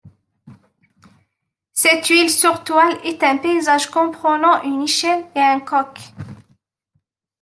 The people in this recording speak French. Cette huile sur toile est un paysage comprenant une échelle et un coq.